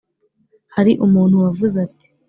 hari umuntu wavuze ati